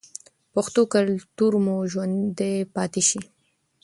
پښتو کلتور مو ژوندی پاتې شي.